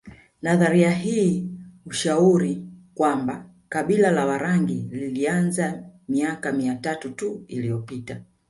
Nadharia hii hushauri kwamba kabila la Warangi lilianza miaka mia tatu tu iliyopita